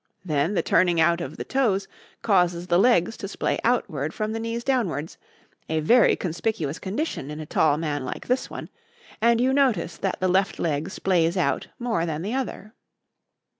Then the turning out of the toes causes the legs to splay outward from the knees downwards a very conspicuous condition in a tall man like this one and you notice that the left leg splays out more than the other.